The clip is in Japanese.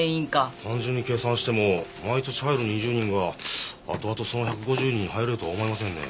単純に計算しても毎年入る２０人が後々その１５０人に入れるとは思えませんね。